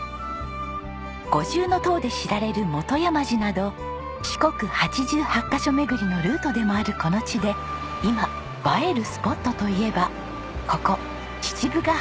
五重塔で知られる本山寺など四国八十八カ所巡りのルートでもあるこの地で今映えるスポットといえばここ父母ヶ浜です。